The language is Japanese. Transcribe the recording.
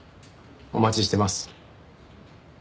お待ちしてます。